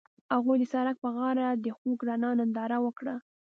هغوی د سړک پر غاړه د خوږ رڼا ننداره وکړه.